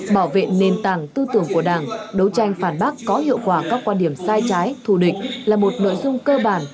bảo vệ nền tảng tư tưởng của đảng đấu tranh phản bác có hiệu quả các quan điểm sai trái thù địch là một nội dung cơ bản